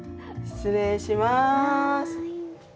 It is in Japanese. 失礼します。